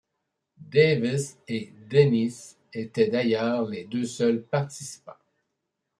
Davis et Dennis étaient d'ailleurs les deux seuls participants.